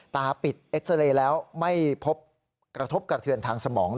ตาปิดเอ็กซาเรย์แล้วไม่พบกระทบกระเทือนทางสมอง